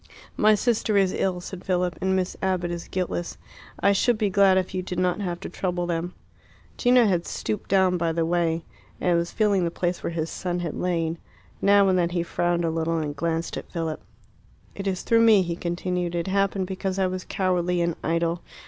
"My sister is ill," said Philip, "and Miss Abbott is guiltless. I should be glad if you did not have to trouble them." Gino had stooped down by the way, and was feeling the place where his son had lain. Now and then he frowned a little and glanced at Philip. "It is through me," he continued. "It happened because I was cowardly and idle.